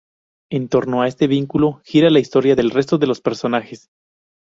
En torno a este vínculo, gira la historia del resto de los personajes.